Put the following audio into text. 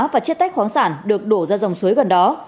và chiết tách khoáng sản được đổ ra dòng suối gần đó